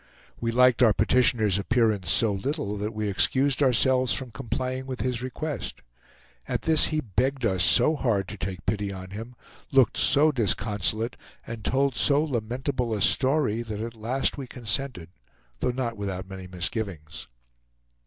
We liked our petitioner's appearance so little that we excused ourselves from complying with his request. At this he begged us so hard to take pity on him, looked so disconsolate, and told so lamentable a story that at last we consented, though not without many misgivings.